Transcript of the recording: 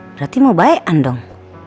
berarti mau baean dong